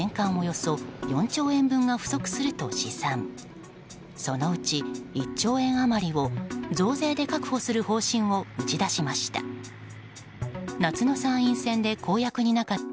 そのうち１兆円余りを、増税で確保する方針を打ち出しました。